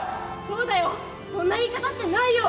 「そうだよそんな言い方ってないよ！」。